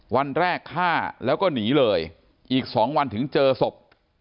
วันแรกฆ่าแล้วก็หนีเลยอีก๒วันถึงเจอศพ